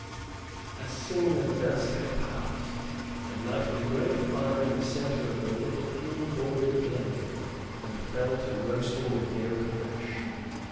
As soon as dusk had passed they lighted a great fire in the center of a little hill bordered glade, and fell to roasting the deer afresh.